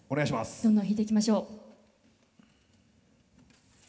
どんどん引いていきましょう。